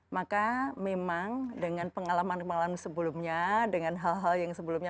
maka memang dengan pengalaman pengalaman sebelumnya dengan hal hal yang sebelumnya